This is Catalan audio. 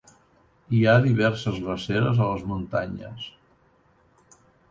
Hi ha diverses glaceres a les muntanyes.